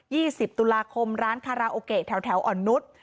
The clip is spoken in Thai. สิบตุลาคมร้านคาราโอเกะแถวแถวอ่อนนุษย์